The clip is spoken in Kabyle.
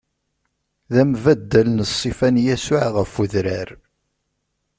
D ambaddal n ṣṣifa n Yasuɛ ɣef udrar.